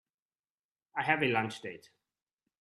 I have a lunch date.